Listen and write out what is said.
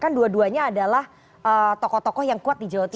kan dua duanya adalah tokoh tokoh yang kuat di jawa timur